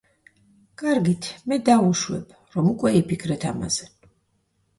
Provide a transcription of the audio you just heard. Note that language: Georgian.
კარგით, მე დავუშვებ, რომ უკვე იფიქრეთ ამაზე.